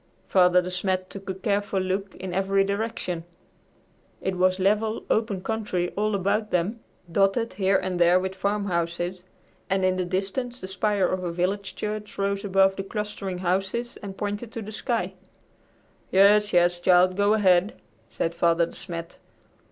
Father De Smet took a careful look in every direction. It was level, open country all about them, dotted here and there with farmhouses, and in the distance the spire of a village church rose above the clustering houses and pointed to the sky. "Yes, yes, child. Go ahead," said Father De Smet.